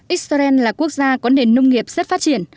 israel là quốc gia có nền nông nghiệp rất phát triển